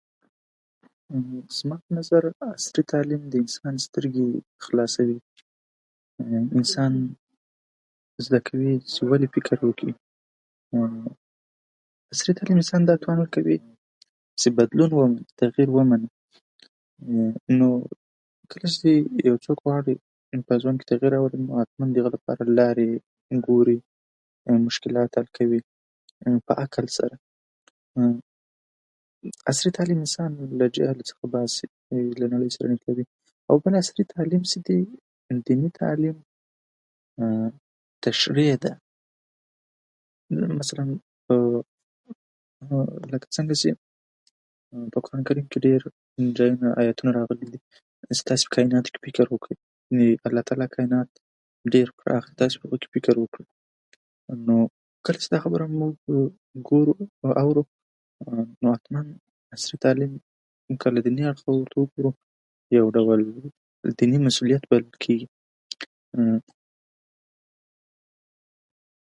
زما په نظر عصري تعلیم د انسان سترګې خلاصوي، انسان زده کوي چې ولې فکر وکړي. عصري تعلیم انسان ته دا توان ورکوي چې بدلون او تغیر ومني؛ نو کله چې یو څوک غواړي نو په ژوند کې تغیر راولي، نو حتمي د هغه لپاره لارې ګوري، مشکلات حل کوي په عقل سره. عصري تعلیم انسان له جهل څخه باسي، او بل عصري تعلیم چې دی، د دیني تعلیم تشریح ده؛ مثلاً په لکه څرنګه چې په قران کریم کې ډېر ځایونه ایتونه راغلي دي چې تاسې په کایناتو کې فکر وکړی، الله تعالی کاینات ډېر پراخه، تاسې په هغو کې فکر وکړی. نو کله چې دا خبره موږ ګورو او اورو، نو حتماً عصري تعلیم که له دیني اړخه ورته وګورو، یو ډول دیني مسولیت [unintelligible] کېږي.